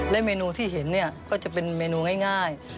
และเมนูที่เห็นก็จะเป็นเมนูง่าย